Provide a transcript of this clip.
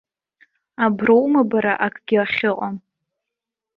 Аброума бара акгьы ахьыҟам?!